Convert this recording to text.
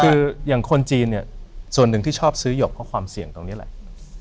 คืออย่างคนจีนเนี่ยส่วนหนึ่งที่ชอบซื้อหยกก็ความเสี่ยงตรงนี้แหละ